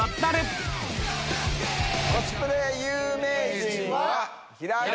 コスプレ有名人は。